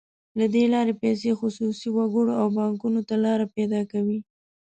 له دې لارې پیسې خصوصي وګړو او بانکونو ته لار پیدا کوي.